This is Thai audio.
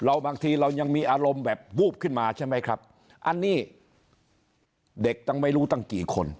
อารมณ์แบบวูบขึ้นมาใช่ไหมครับอันนี้เด็กตั้งไม่รู้ตั้งกี่คน